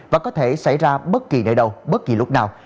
và có thể xảy ra bất kỳ nơi đâu bất kỳ lúc nào